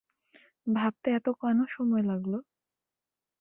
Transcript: ভাবতে এত কেন সময় লাগলো?